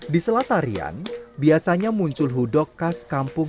di selatarian biasanya muncul hudok khas kampung